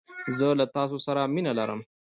زه له تاسو سره مينه لرم